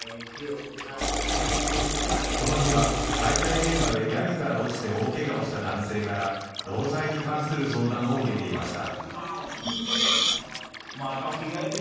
この日は解体現場で屋根から落ちて大けがをした男性から労災に関する相談を受けていました。